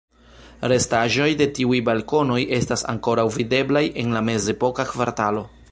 Restaĵoj de tiuj balkonoj estas ankoraŭ videblaj en la mezepoka kvartalo.